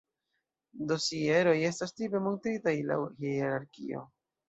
Dosieroj estas tipe montritaj laŭ hierarkio.